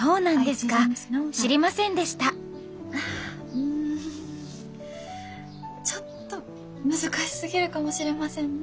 うんちょっと難しすぎるかもしれませんね。